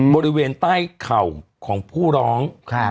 บริเวณใต้เข่าของผู้ร้อง